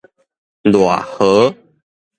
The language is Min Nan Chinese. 賴和